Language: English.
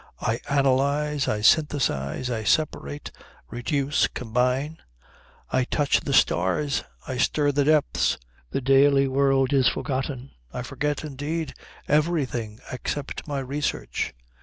I analyse, I synthesize, I separate, reduce, combine. I touch the stars. I stir the depths. The daily world is forgotten. I forget, indeed, everything, except my research.